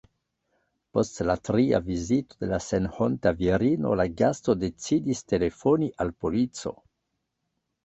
Post la tria vizito de la senhonta virino la gasto decidis telefoni al polico.